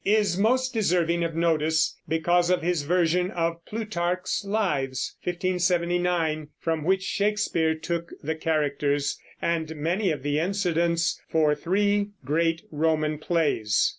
is most deserving of notice because of his version of Plutarch's Lives (1579) from which Shakespeare took the characters and many of the incidents for three great Roman plays.